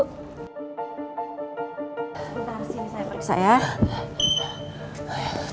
sebentar sini saya periksa ya